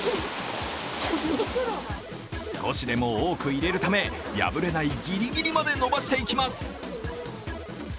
少しでも多く入れるため破れないギリギリまで伸ばしていきます。